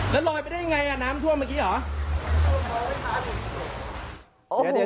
แล้วลอยไปได้ยังไงน้ำท่วมเมื่อกี้เหรอ